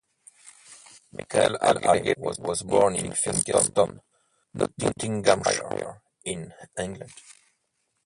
Michael Argyle was born in Fiskerton, Nottinghamshire in England.